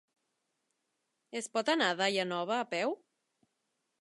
Es pot anar a Daia Nova a peu?